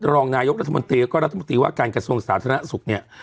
รองนายกรัฐมนตรีแล้วก็รัฐมนตรีว่าการกระทรวงสาธารณสุขเนี่ย